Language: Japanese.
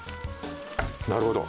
なるほど。